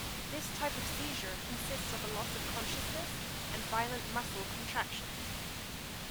This type of seizure consists of a loss of consciousness and violent muscle contractions.